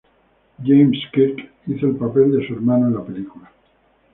James Kirk hizo el papel de su hermano en la película.